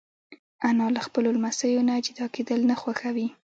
انا له خپلو لمسیو نه جدا کېدل نه خوښوي